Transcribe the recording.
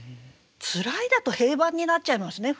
「つらい」だと平板になっちゃいますね。